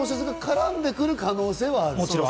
小説が絡んでくる可能性はあると。